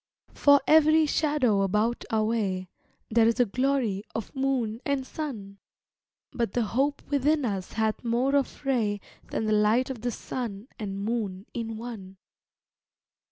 For every shadow about our way There is a glory of moon and sun; But the hope within us hath more of ray Than the light of the sun and moon in one.